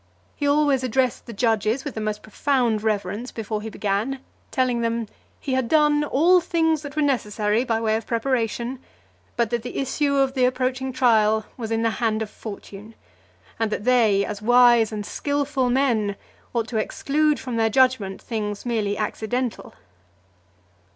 He always addressed the judges with the most profound reverence before he began, telling them, "he had done all things that were necessary, by way of preparation, but that the issue of the approaching trial was in the hand of fortune; and that they, as wise and skilful men, ought to exclude from their judgment things merely accidental."